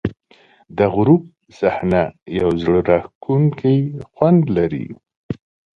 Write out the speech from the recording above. د غروب صحنه یو زړه راښکونکی خوند لري.